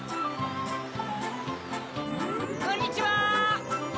こんにちは！